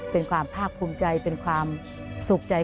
เป็นความภาคภูมิใจเป็นความสุขใจ